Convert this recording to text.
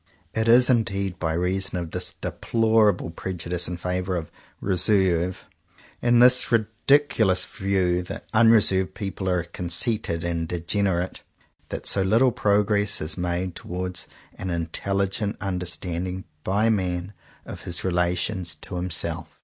It is indeed by reason of this deplorable prejudice in favour of "reserve," and this 18 JOHN COWPER POWYS ridiculous view that unreserved people are conceited and degenerate, that so little progress is made towards an intelligent understanding by man of his relations to himself.